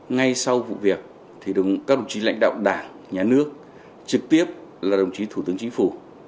ngay sau vụ việc thì các đồng chí lãnh đạo đảng nhà nước trực tiếp là đồng chí thủ tướng chính phủ